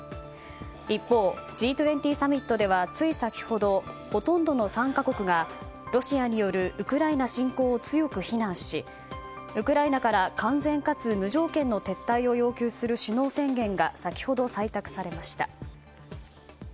一方、Ｇ２０サミットではつい先ほどほとんどの参加国がロシアによるウクライナ侵攻を強く非難しウクライナから完全かつ無条件の撤退を要求する首脳宣言が先ほど採択されました。